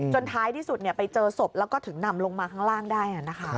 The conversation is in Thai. ท้ายที่สุดไปเจอศพแล้วก็ถึงนำลงมาข้างล่างได้